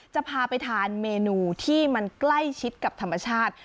จะพาไปทานเมนูที่มันใกล้ชิดกับธรรมชาติ